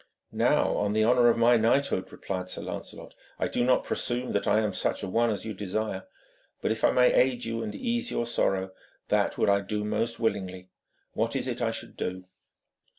'Now on the honour of my knighthood,' replied Sir Lancelot, 'I do not presume that I am such a one as you desire; but if I may aid you and ease your sorrow, that would I do most willingly. What is it I should do?'